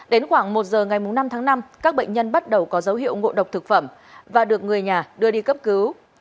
đến khoảng một giờ ngày năm tháng năm các bệnh nhân bắt đầu có dấu hiệu ngộ độc thực phẩm và được người nhà đưa đi cấp cứu